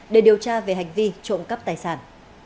để điều tra về hành vi trộm cắp tài sản